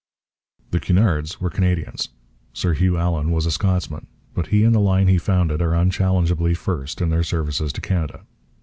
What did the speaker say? The Cunards were Canadians. Sir Hugh Allan was a Scotsman. But he and the line he founded are unchallengeably first in their services to Canada.